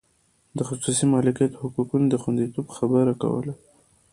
د خصوصي مالکیت د حقونو د خوندیتوب خبره کوله.